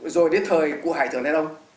rồi đến thời cụ hải thường đông